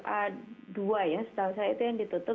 setelah saya itu yang ditutup